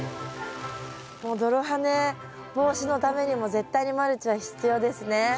もう泥跳ね防止のためにも絶対にマルチは必要ですね。